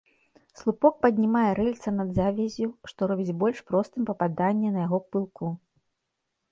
Слупок паднімае рыльца над завяззю, што робіць больш простым пападанне на яго пылку.